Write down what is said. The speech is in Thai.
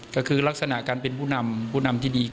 และก็จะลักษณะเป็นเป็นผู้นำที่ดี